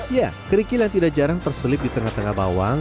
ya kerikil yang tidak jarang terselip di tengah tengah bawang